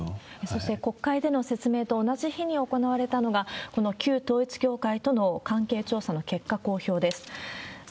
そして、国会での説明と同じ日に行われたのが、この旧統一教会との関係調査の結果公表です。